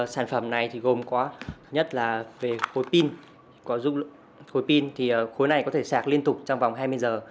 sản phẩm này nhất là về khối pin khối pin này có thể sạc liên tục trong vòng hai mươi giờ